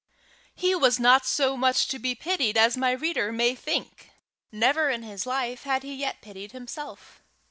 He was not so much to be pitied as my reader may think. Never in his life had he yet pitied himself.